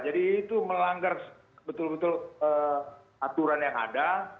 jadi itu melanggar betul betul aturan yang ada